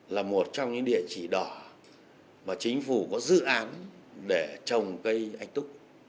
là một trong những địa chỉ đỏ mà chính phủ có dự án để trồng cây anh túc